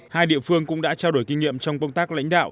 hai địa phương cũng đã trao đổi kinh nghiệm trong công tác lãnh đạo